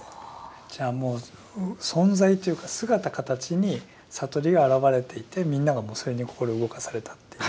じゃあもう存在というか姿形に悟りが現れていてみんながそれに心動かされたっていう。